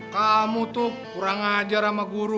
kamu tuh kurang ajar sama guru